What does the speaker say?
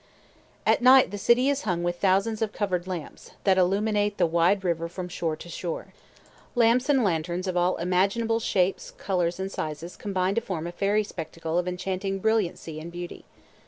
At night the city is hung with thousands of covered lights, that illuminate the wide river from shore to shore. Lamps and lanterns of all imaginable shapes, colors, and sizes combine to form a fairy spectacle of enchanting brilliancy and beauty.